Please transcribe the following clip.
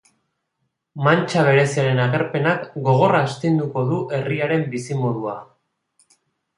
Mantxa bereziaren agerpenak gogor astiduko du herriaren bizimodua.